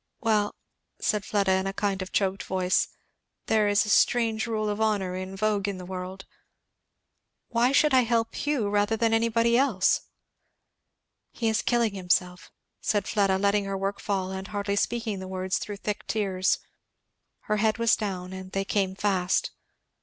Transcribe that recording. "Well!" said Fleda in a kind of choked voice, "there is a strange rule of honour in vogue in the world!" "Why should I help Hugh rather than anybody else?" "He is killing himself! " said Fleda, letting her work fall and hardly speaking the words through thick tears. Her head was down and they came fast.